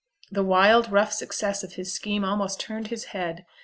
The wild, rough success of his scheme almost turned his head.